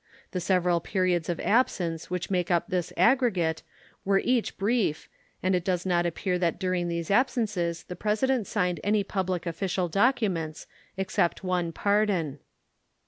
The several periods of absence which make up this aggregate were each brief, and it does not appear that during these absences the President signed any public official documents, except one pardon.